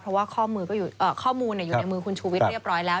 เพราะว่าข้อมูลอยู่ในมือคุณชูวิทย์เรียบร้อยแล้ว